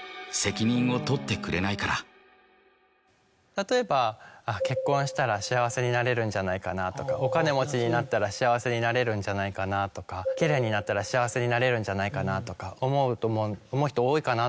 例えば結婚したら幸せになれるんじゃないかなとかお金持ちになったら幸せになれるんじゃないかなとかキレイになったら幸せになれるんじゃないかなとか思う人多いかな